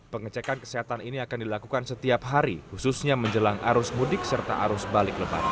pengecekan kesehatan ini akan dilakukan setiap hari khususnya menjelang arus mudik serta arus balik lebaran